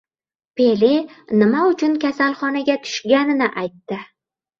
Pele nima uchun kasalxonaga tushganini aytdi